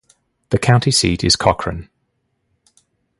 The county seat is Cochran.